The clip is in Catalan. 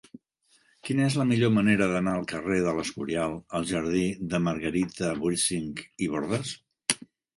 Quina és la millor manera d'anar del carrer de l'Escorial al jardí de Margarita Wirsing i Bordas?